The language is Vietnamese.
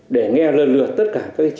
để nghe lần lượt tất cả các tin